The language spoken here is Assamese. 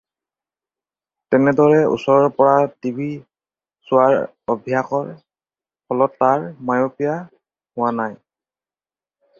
তেনেদৰে ওচৰৰ পৰা টিভি চোৱাৰ অভ্যাসৰ ফলত তাৰ মায়'পিয়া হোৱা নাই।